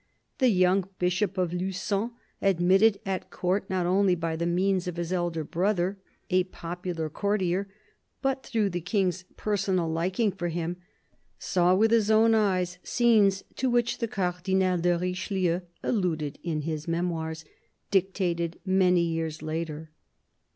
The young Bishop of Lugon, admitted at Court not only by the means of his elder brother, a popular courtier, but through the King's personal liking for him, saw with his own eyes scenes to which the Cardinal de Richelieu alluded in his Memoirs, dictated many years later.